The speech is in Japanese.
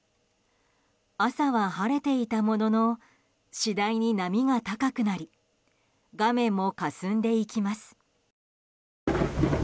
朝は晴れていたものの次第に波が高くなり画面もかすんでいきます。